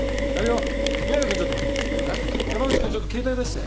山内君ちょっと携帯出して。